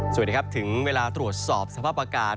สวัสดีครับถึงเวลาตรวจสอบสภาพอากาศ